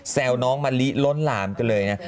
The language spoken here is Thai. วน้องมะลิล้นหลามกันเลยนะ